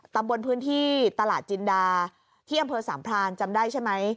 ตำบลพื้นที่ตลาดจินดาที่อำเภอสามพรานจำได้ใช่ไหม